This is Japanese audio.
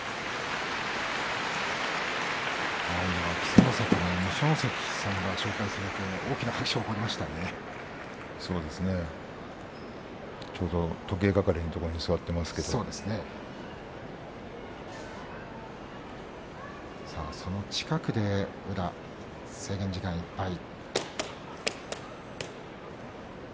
稀勢の里の二所ノ関さんが紹介されて、大きな拍手がちょうど時計係のところに座っていますけどその近くで宇良制限時間いっぱい。